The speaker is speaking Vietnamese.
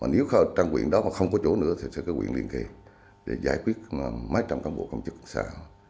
nếu trăng huyện đó mà không có chỗ nữa thì sẽ có huyện liên kỳ để giải quyết mấy trăm công bộ công chức xã